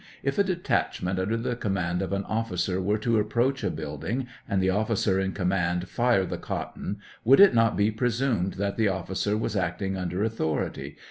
If a detachment under the command of an officer were to approach a building, and the officer in com mand fire the cotton, would it not be presumed that the officer was acting under authority